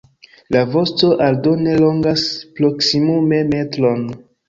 La vosto aldone longas proksimume metron.